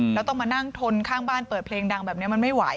แล้วต้องมานั่งทนข้างบ้านเปิดเพลงดังแบบนี้มันไม่ไหว